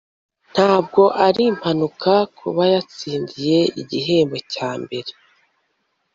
Ntabwo ari impanuka kuba yatsindiye igihembo cya mbere